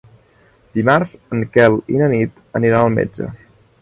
Dimarts en Quel i na Nit aniran al metge.